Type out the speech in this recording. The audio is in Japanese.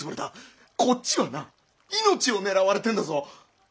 こっちはな命を狙われてんだぞ！